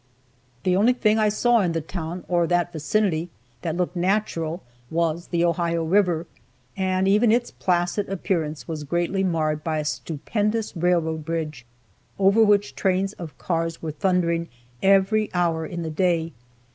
The only thing I saw in the town, or that vicinity, that looked natural, was the Ohio river, and even its placid appearance was greatly marred by a stupendous railroad bridge, over which trains of cars were thundering every hour in the day.